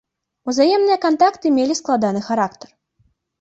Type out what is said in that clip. Узаемныя кантакты мелі складаны характар.